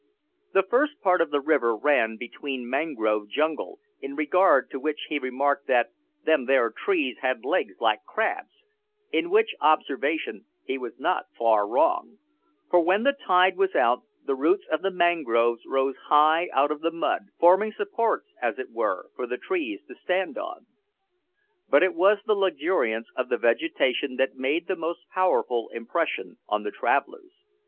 The first part of the river ran between mangrove jungle, in regard to which he remarked that "them there trees had legs like crabs," in which observation he was not far wrong, for, when the tide was out, the roots of the mangroves rose high out of the mud, forming supports, as it were, for the trees to stand on. But it was the luxuriance of the vegetation that made the most powerful impression on the travellers.